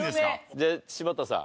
じゃあ柴田さん。